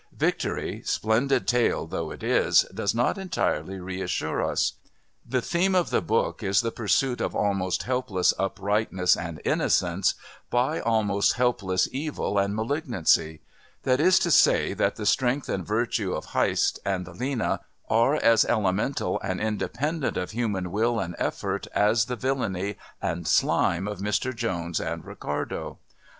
Victory, splendid tale though it is, does not entirely reassure us. The theme of the book is the pursuit of almost helpless uprightness and innocence by almost helpless evil and malignancy; that is to say that the strength and virtue of Heyst and Lena are as elemental and independent of human will and effort as the villainy and slime of Mr Jones and Ricardo.